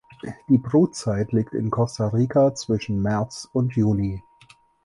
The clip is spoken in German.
Die Brutzeit liegt in Costa Rica zwischen März und Juni.